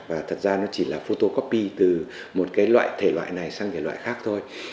và thật ra nó chỉ là photocopy từ một loại thể loại này sang thể loại khác thôi